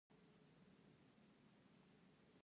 ستاسې مصروفیتونه څنګه روان دي؟ راته یې وویل خبره خلاصه ده.